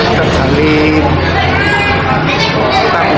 kita bisa langsung seperti kurang parah